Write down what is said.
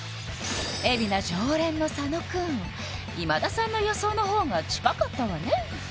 海老名常連の佐野くん今田さんの予想の方が近かったわね